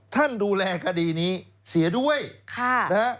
ท่านดูแลคดีนี้เสียด้วยค่ะนะฮะ